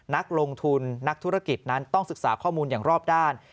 นักลงทุนนักธุรกิจนั้นต้องศึกษาข้อมูลอย่างรอบด้าน